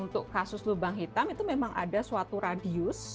untuk kasus lubang hitam itu memang ada suatu radius